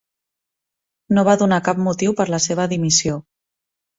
No va donar cap motiu per la seva dimissió.